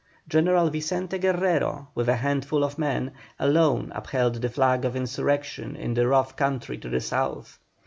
General Vicente Guerrero, with a handful of men, alone upheld the flag of insurrection in the rough country to the south.